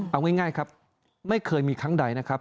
เอาง่ายครับไม่เคยมีครั้งใดนะครับ